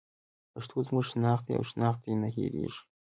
پښتو زموږ شناخت دی او شناخت دې نه هېرېږي.